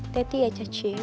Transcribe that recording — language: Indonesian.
teti ya cacing